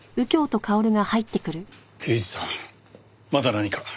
刑事さんまだ何か？